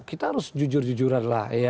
kita harus jujur jujuran